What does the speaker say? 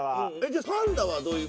じゃあパンダはどういう？